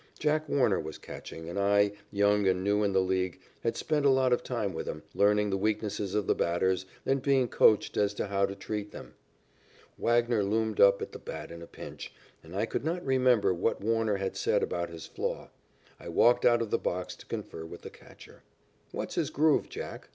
Jack Warner was catching, and I, young and new in the League, had spent a lot of time with him, learning the weaknesses of the batters and being coached as to how to treat them. Wagner loomed up at the bat in a pinch, and I could not remember what Warner had said about his flaw. I walked out of the box to confer with the catcher. "What's his 'groove,' Jack?"